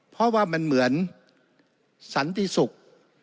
เพราะว่ามันเหมือนสันติศุกร์